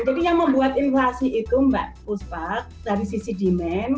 jadi yang membuat inflasi itu mbak fuspak dari sisi demand